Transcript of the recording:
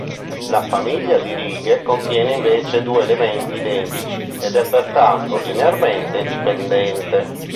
La "famiglia" di righe contiene invece due elementi identici ed è pertanto linearmente dipendente.